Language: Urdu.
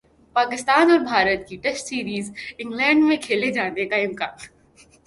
پاکستان اور بھارت کی ٹیسٹ سیریز انگلینڈ میں کھیلے جانے کا امکان